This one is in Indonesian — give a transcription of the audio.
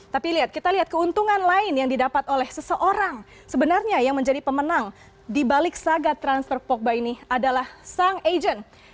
tapi kita lihat keuntungan lain yang didapat oleh seseorang sebenarnya yang menjadi pemenang di balik saga transfer pogba ini adalah sang agent